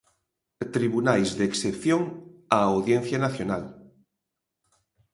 Tribunais de excepción: a Audiencia Nacional.